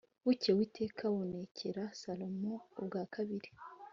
Bukeye Uwiteka abonekera Salomo ubwa kabiri